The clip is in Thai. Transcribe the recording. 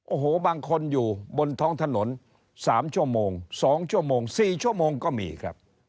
โอ้โหบางคนอยู่บนท้องถนน๓ชั่วโมง๒ชั่วโมง๔ชั่วโมงก็มีครับ